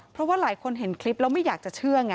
เพราะว่าหลายคนเห็นคลิปแล้วไม่อยากจะเชื่อไง